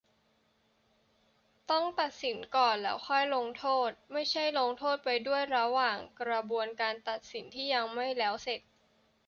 ต้องตัดสินก่อน แล้วค่อยลงโทษ - ไม่ใช่ลงโทษไปด้วยระหว่างกระบวนการตัดสินที่ยังไม่แล้วเสร็จ